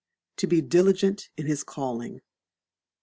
To be diligent in his calling.